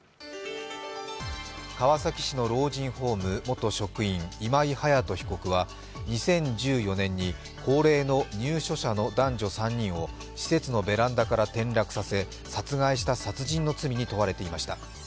川崎市の老人ホーム元職員、今井隼人被告は２０１４年に高齢の入所者男女３人を施設のベランダから転落させ殺害した殺人の罪に問われていました。